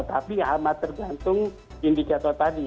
tapi amat tergantung indikator tadi